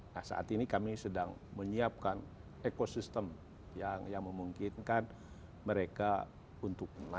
nah saat ini kami sedang menyiapkan ekosistem yang memungkinkan mereka untuk melakukan